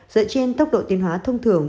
dựa trên tốc độ tiến hóa thông thường